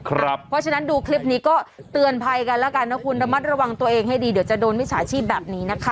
เพราะฉะนั้นดูคลิปนี้ก็เตือนภัยกันแล้วกันนะคุณระมัดระวังตัวเองให้ดีเดี๋ยวจะโดนวิชาชีพแบบนี้นะคะ